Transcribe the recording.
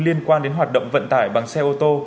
liên quan đến hoạt động vận tải bằng xe ô tô